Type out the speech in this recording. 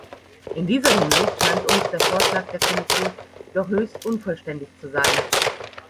In dieser Hinsicht scheint uns der Vorschlag der Kommission doch höchst unvollständig zu sein.